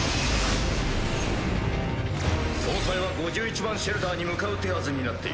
総裁は５１番シェルターに向かう手筈になっている。